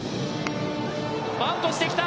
バントしてきた。